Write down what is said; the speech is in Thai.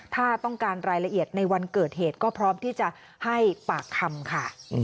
ถ้าต้องการรายละเอียดในวันเกิดเหตุก็พร้อมที่จะให้ปากคำค่ะ